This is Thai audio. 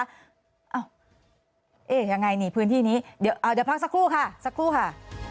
เอ้ายังไงนี่พื้นที่นี้เดี๋ยวเอาเดี๋ยวพักสักครู่ค่ะสักครู่ค่ะ